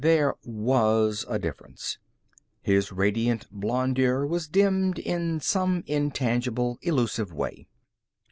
There was a difference. His radiant blondeur was dimmed in some intangible, elusive way.